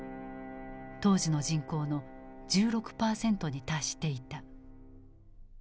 当時の人口の１６％に達していた。